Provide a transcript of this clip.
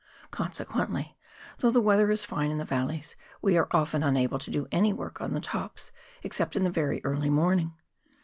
; consequently, though the weather is fine in the valleys, we are often unable to do any work on the tops except in the very early morning.